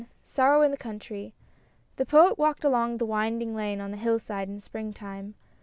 SORROW IN THE COUNTRY THE Poet walked along the winding lane on the hillside in springtime.